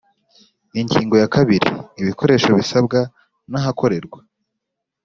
Ingingo ya kabiri Ibikoresho bisabwa n ahakorerwa